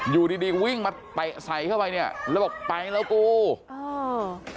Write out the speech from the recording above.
อยู่ดีวิ่งมาใส่เข้าไปเนี่ยแล้วบอกไปแล้วกูอ่า